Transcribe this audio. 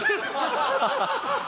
ハハハハ！